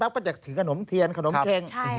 ก็จะถือขนมเทียนขนมเข็ง